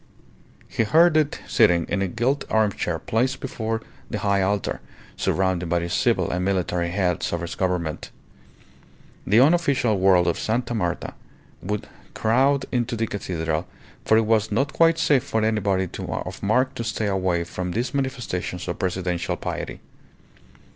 He heard it sitting in a gilt armchair placed before the high altar, surrounded by the civil and military heads of his Government. The unofficial world of Sta. Marta would crowd into the cathedral, for it was not quite safe for anybody of mark to stay away from these manifestations of presidential piety.